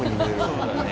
そうだね。